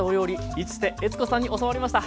市瀬悦子さんに教わりました。